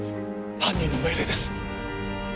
犯人の命令です！